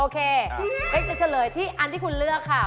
ก็จะเฉลยที่อันที่คุณเลือกค่ะ